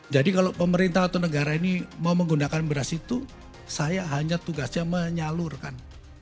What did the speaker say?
jadi kalau pemerintah atau negara ini mau menggunakan beras itu saya hanya tugasnya menyalurkan